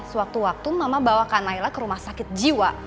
suatu waktu mama bawa kak nailah ke rumah sakit jiwa